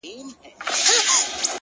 • چي یې بیا دی را ایستلی د ګور مړی,